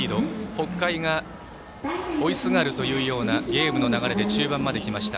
北海が追いすがるというようなゲームの流れで中盤まできました。